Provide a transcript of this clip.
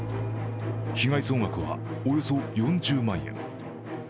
被害総額はおよそ４０万円。